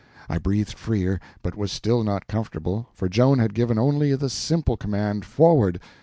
I breathed freer, but was still not comfortable, for Joan had given only the simple command, "Forward!"